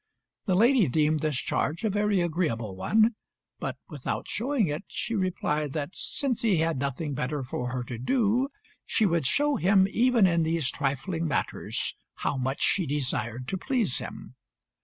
The lady deemed this charge a very agreeable one, but, without showing it, she replied that since he had nothing better for her to do, she would show him even in these trifling matters how much she desired to please him.